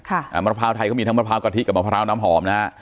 อ่ามะพร้าวไทยก็มีทั้งมะพร้าวกะทิกับมะพร้าวน้ำหอมนะฮะ